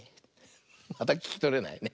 またききとれないね。